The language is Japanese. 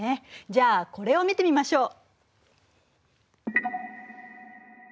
じゃあこれを見てみましょう。